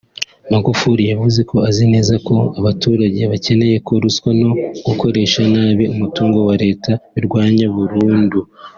Magufuli yavuze ko azi neza ko abaturage bakeneye ko ruswa no gukoresha nabi umutungo wa leta birwanywa burundu